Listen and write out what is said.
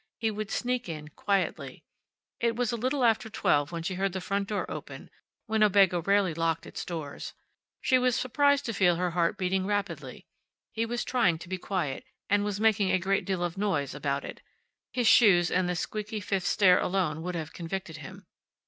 He would sneak in, quietly. It was a little after twelve when she heard the front door open (Winnebago rarely locked its doors). She was surprised to feel her heart beating rapidly. He was trying to be quiet, and was making a great deal of noise about it. His shoes and the squeaky fifth stair alone would have convicted him.